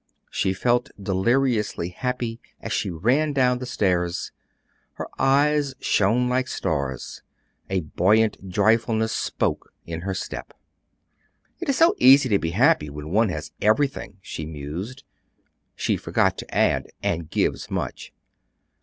She felt deliriously happy as she ran down the stairs; her eyes shone like stars; a buoyant joyfulness spoke in her step. "It is so easy to be happy when one has everything," she mused. She forgot to add, "And gives much."